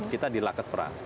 kita di lakespra